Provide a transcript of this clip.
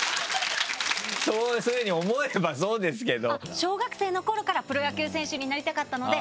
そういうふうに思えばそうですけど。